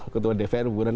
ketua dpr buron